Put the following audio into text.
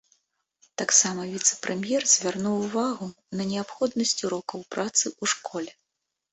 Таксама віцэ-прэм'ер звярнуў увагу на неабходнасць урокаў працы ў школе.